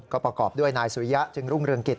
ก็ประกอบด้วยนายสุริยะจึงรุ่งเรืองกิจ